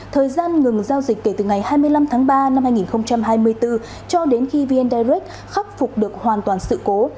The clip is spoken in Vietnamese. thời gian ngừng giao dịch kể từ ngày hai mươi năm tháng ba năm hai nghìn hai mươi bốn cho đến khi vn direct khắc phục được hoàn toàn sự cố